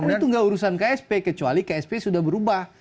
itu nggak urusan ksp kecuali ksp sudah berubah